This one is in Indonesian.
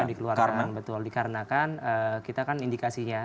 dikeluarkan betul dikarenakan kita kan indikasinya